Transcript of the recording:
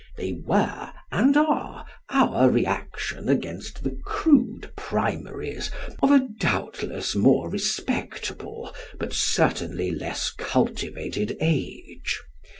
They were, and are, our reaction against the crude primaries of a doubtless more respectable but certainly less cultivated age.